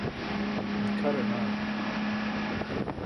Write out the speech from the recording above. mikʰaranaan